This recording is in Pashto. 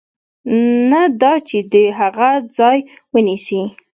نه دا چې د هغه ځای ونیسي.